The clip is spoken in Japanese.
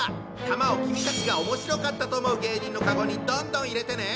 玉を君たちが面白かったと思う芸人のカゴにどんどん入れてね！